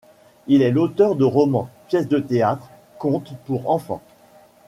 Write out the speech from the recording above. Il est l’auteur de romans, pièces de théâtre, contes pour enfants.